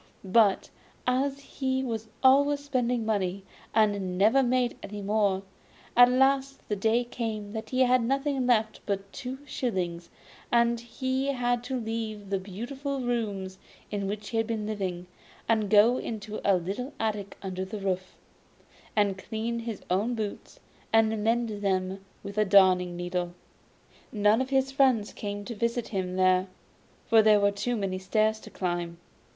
But as he was always spending money, and never made any more, at last the day came when he had nothing left but two shillings, and he had to leave the beautiful rooms in which he had been living, and go into a little attic under the roof, and clean his own boots, and mend them with a darning needle. None of his friends came to visit him there, for there were too many stairs to climb.